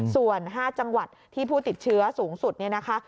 ส่วน๕จังหวัดที่ผู้ติดเชื้อสูงสุดเนี่ยนะคะ